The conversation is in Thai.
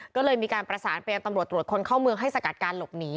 ก็เลยมีการประสานไปยังตำรวจตรวจคนเข้าเมืองให้สกัดการหลบหนี